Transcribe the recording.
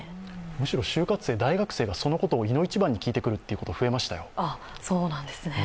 むしろ就活生、大学生が、そのことをいの一番に聞いてくることが増えましたよ。